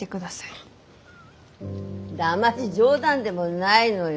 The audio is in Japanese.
なまじ冗談でもないのよ